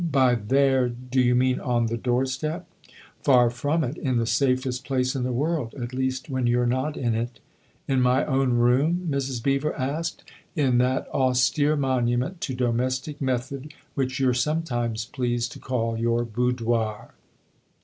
" By ' there ' do you mean on the doorstep ?"" Far from it. In the safest place in the world at least when you're not in it." " In my own room ?" Mrs. Beever asked. " In that austere monument to Domestic Method which you're sometimes pleased to call your boudoir.